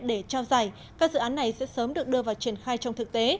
để trao giải các dự án này sẽ sớm được đưa vào triển khai trong thực tế